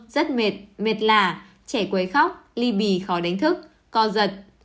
rất mệt mệt lạ chảy quấy khóc ly bì khó đánh thức co giật